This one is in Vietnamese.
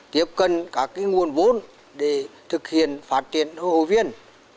tiếp cận các nguồn vốn để thực hiện phát triển hồ viên